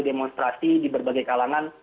demonstrasi di berbagai kalangan